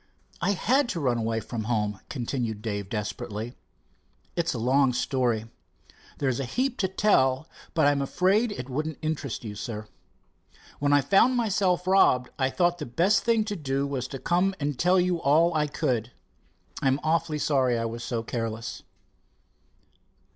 "I had to run away from home," continued Dave desperately. "It's a long story. There's a heap to tell, but I'm afraid it wouldn't interest you, sir. When I found myself robbed, I thought the best thing to do was to come and tell you all I could. I'm awfully sorry I was so careless."